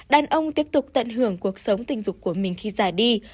đàn ông tiếp tục tận hưởng cuộc sống tình dục của mình khi rời đi